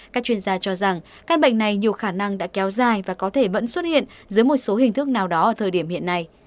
các chuyên gia cho rằng căn bệnh này nhiều khả năng đã kéo dài và có thể vẫn xuất hiện dưới một số hình thức nào đó ở thời điểm hiện nay